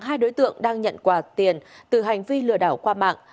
hai đối tượng đang nhận quà tiền từ hành vi lừa đảo qua mạng